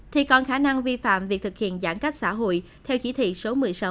thì còn khả năng vi phạm việc thực hiện giãn cách xã hội theo chỉ thị số một mươi sáu